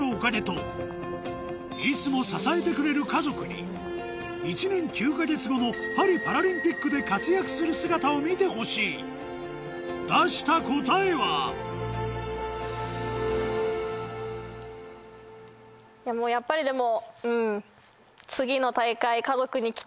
ですけどね。に１年９か月後のパリパラリンピックで活躍する姿を見てほしい出した答えはやっぱりでも。